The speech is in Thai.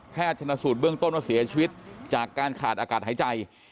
ชนะสูตรเบื้องต้นว่าเสียชีวิตจากการขาดอากาศหายใจ